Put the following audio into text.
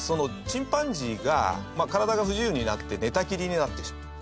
チンパンジーが体が不自由になって寝たきりになってしまう。